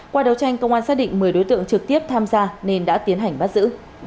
qua đấu tranh công an xác định một mươi đối tượng trực tiếp tham gia nên đã tiến hành bắt giữ